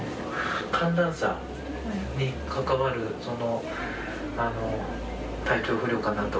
寒暖差に関わる体調不良かなと。